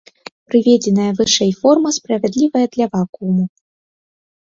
Прыведзеная вышэй форма справядлівая для вакууму.